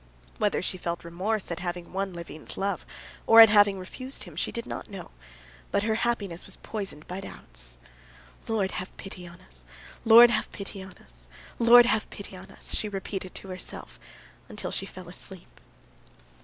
Whether she felt remorse at having won Levin's love, or at having refused him, she did not know. But her happiness was poisoned by doubts. "Lord, have pity on us; Lord, have pity on us; Lord, have pity on us!" she repeated to herself, till she fell asleep.